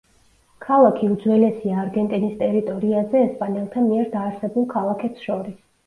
ქალაქი უძველესია არგენტინის ტერიტორიაზე ესპანელთა მიერ დაარსებულ ქალაქებს შორის.